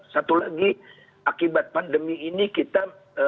satu lagi akibat pandemi ini kita